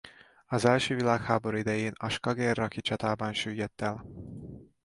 Az első világháború idején a skagerraki csatában süllyedt el.